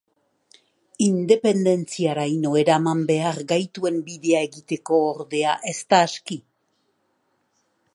Independentziaraino eraman behar gaituen bidea egiteko, ordea, ez da aski.